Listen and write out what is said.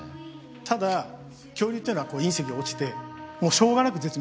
ただ恐竜っていうのは隕石が落ちてしょうがなく絶滅してます。